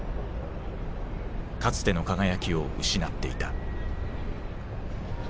かつての輝きを失っていた。